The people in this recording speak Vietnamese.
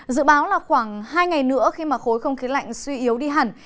dự báo là khoảng hai ngày nữa khi mà khối không khí lạnh suy yếu đi hẳn